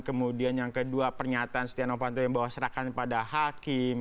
kemudian yang kedua pernyataan siti novanto yang bahwa serahkan pada hakim